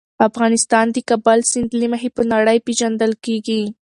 افغانستان د کابل سیند له مخې په نړۍ پېژندل کېږي.